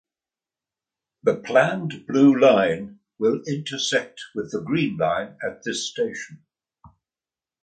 The planned Blue Line will intersect with the Green Line at this station.